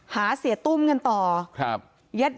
หาเสียตุ้มกันต่อ